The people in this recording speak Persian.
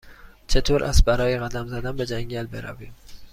چطور است برای قدم زدن به جنگل برویم؟